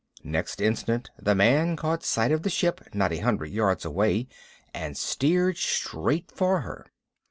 Next instant the man caught sight of the ship, not a hundred yards away; and steered straight for her.